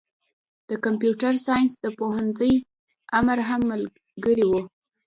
د کمپيوټر ساينس پوهنځي امر هم ملګری و.